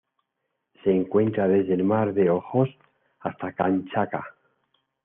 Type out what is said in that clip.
Se encuentra desde el Mar de Ojotsk hasta Kamchatka.